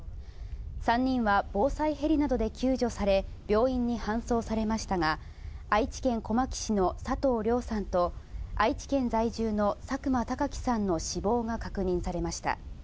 ３人は防災ヘリなどで救助され、病院に搬送されましたが、愛知県小牧市の佐藤亮さんと愛知県在住の佐久間貴己さんの死亡が確認されました。